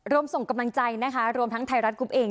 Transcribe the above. รวมส่งกำลังใจนะคะรวมทั้งไทยรัฐกรุ๊ปเอง